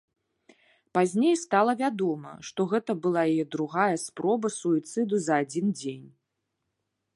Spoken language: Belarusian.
Пазней стала вядома, што гэта была яе другая спроба суіцыду за адзін дзень.